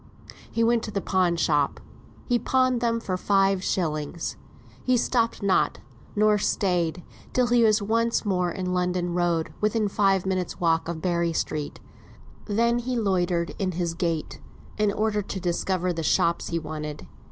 He went to the pawn shop; he pawned them for five shillings; he stopped not, nor stayed, till he was once more in London Road, within five minutes' walk of Berry Street then he loitered in his gait, in order to discover the shops he wanted.